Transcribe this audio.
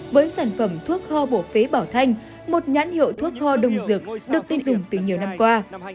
với sản phẩm thuốc ho bổ phế bảo thanh một nhãn hiệu thuốc ho đồng dược được tiêm dùng từ nhiều năm qua